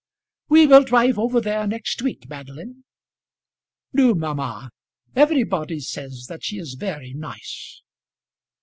"We will drive over there next week, Madeline." "Do, mamma. Everybody says that she is very nice."